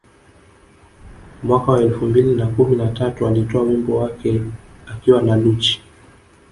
Mwaka wa elfu mbili na kumi na tatu alitoa wimbo wake akiwa na Lucci